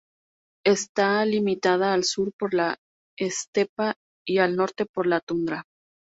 Está limitada al sur por la estepa y al norte por la tundra.